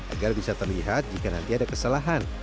agar bisa terlihat jika nanti ada kesalahan